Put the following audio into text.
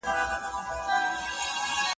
زوی له پلار څخه بېزاره ورور له ورور بېله کړي لاره